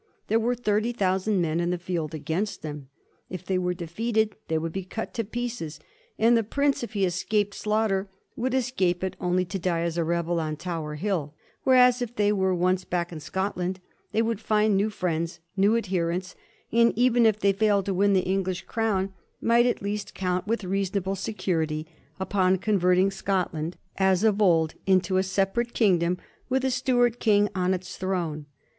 There were thirty thousand men in the field against them. If they were defeated they would be cut to pieces, and the prince, if he escaped slaughter, would escape it only to die as a rebel on Tower Hill, whereas, if they were once back in Scotland, they would find new friends, new adherents, and even if they failed to win the English crown, might at least count, with reasonable security, upon converting Scotland, as of old, into a separate kingdom, with a Stuart king on its throne.